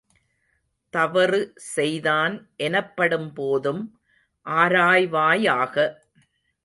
தவறு செய்தான் எனப்படும்போதும் ஆராய்வாயாக!